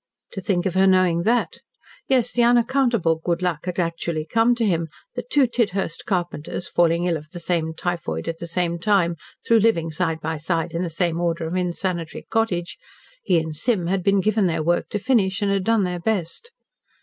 To think of her knowing that! Yes, the unaccountable good luck had actually come to him that two Tidhurst carpenters, falling ill of the same typhoid at the same time, through living side by side in the same order of unsanitary cottage, he and Sim had been given their work to finish, and had done their best.